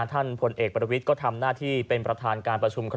ท่านพลเอกประวิทย์ก็ทำหน้าที่เป็นประธานการประชุม